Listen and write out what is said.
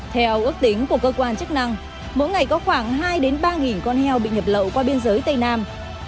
theo ước tính của cơ quan chức năng mỗi ngày có khoảng hai ba con heo bị nhập lậu qua biên giới tây nam